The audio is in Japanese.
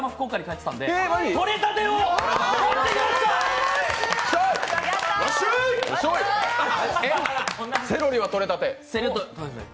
え、セロリはとれたて？